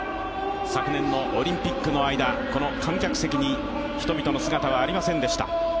昨年のオリンピックの間この観客席に人々の姿はありませんでした。